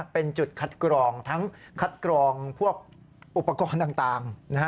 เป็นจุดคัดกรองทั้งคัดกรองพวกอุปกรณ์ต่าง